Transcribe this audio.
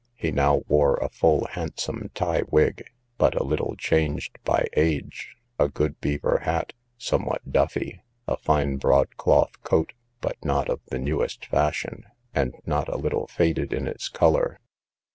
He now wore a full handsome tie wig, but a little changed by age; a good beaver hat, somewhat duffy; a fine broad cloth coat, but not of the newest fashion, and not a little faded in its colour.